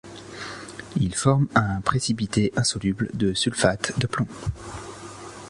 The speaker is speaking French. Il forme un précipité insoluble de sulfate de plomb.